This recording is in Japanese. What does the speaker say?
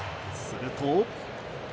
すると。